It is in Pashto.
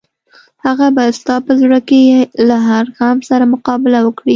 هغه به ستا په زړه کې له هر غم سره مقابله وکړي.